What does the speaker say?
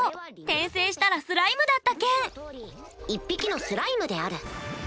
「転生したらスライムだった件」一匹のスライムである。